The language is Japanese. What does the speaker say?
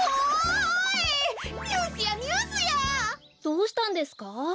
どうしたんですか？